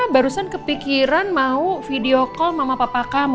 barusan kepikiran mau video call mama papa kamu